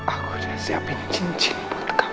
aku udah siapin cincin buat kamu